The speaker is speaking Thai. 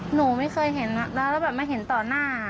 หนูไม่เคยเห็นแล้วแล้วแบบไม่เห็นต่อหน้า